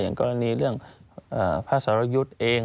อย่างกรณีเรื่องพระสารยุทธ์เอง